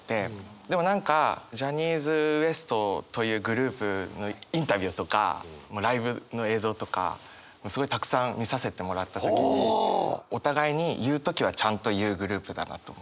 でも何かジャニーズＷＥＳＴというグループのインタビューとかライブの映像とかすごいたくさん見させてもらった時にお互いに言う時はちゃんと言うグループだなと思って。